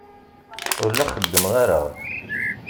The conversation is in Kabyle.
Ur la xeddmeɣ ara.